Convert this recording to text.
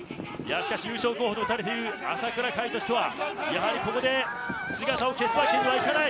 しかし、優勝候補の朝倉海としてはやはり、ここで姿を消すわけにはいかない。